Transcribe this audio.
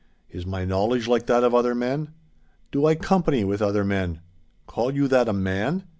Is my knowledge like that of other men? Do I company with other men? Call you that a man?